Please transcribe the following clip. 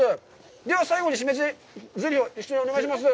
では、最後に締めぜりふを一緒にお願いします。